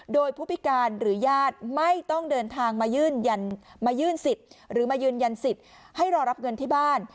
โดยผู้พิการหรือญาติไม่ต้องเดินทางมายื่นสิทธิ์หรือมายืนยันสิทธิ์ให้รอรับเงินที่บ้าน